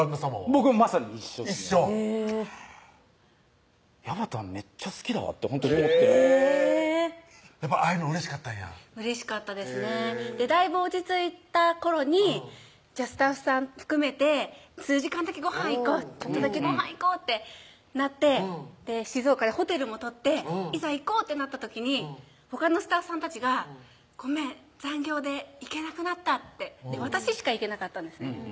僕もまさに一緒ですねやばたんめっちゃ好きだわってほんとに思って会えるのうれしかったんやうれしかったですねだいぶ落ち着いた頃にスタッフさん含めて数時間だけちょっとだけごはん行こうってなって静岡でホテルも取っていざ行こうってなった時にほかのスタッフさんたちが「ごめん残業で行けなくなった」って私しか行けなかったんですね